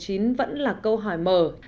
thế nhưng qua những tín hiệu ban đầu